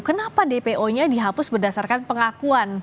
kenapa dpo nya dihapus berdasarkan pengakuan